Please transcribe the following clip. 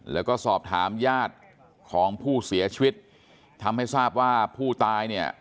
แล้วก็สอบถามญาติของผู้เสียชีวิตทำให้ทราบว่าผู้ตายเนี่ย